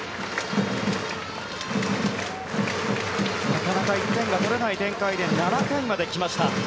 なかなか１点が取れない展開で７回まで来ました。